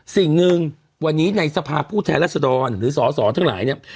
สิ่งหนึ่งวันนี้ในสภาพผู้แทนรัศดรหรือสอสอทั้งหลายเนี่ย